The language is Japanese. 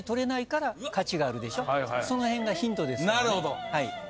その辺がヒントですかね。